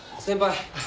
先輩！